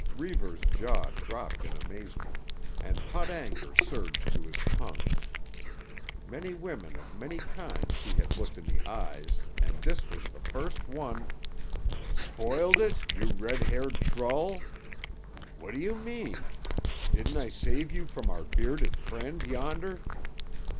Reivers' jaw dropped in amazement, and hot anger surged to his tongue. Many women of many kinds he had looked in the eyes and this was the first one— "Spoiled it, you red haired trull! What do you mean? Didn't I save you from our bearded friend yonder.